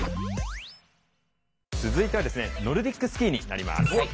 続いてはノルディックスキーになります。